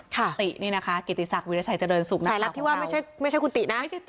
ตินี่นะคะกิติศักดิ์วิทยาชัยเจริญสุขหน้าของเราสายลับที่ว่าไม่ใช่คุณตินะ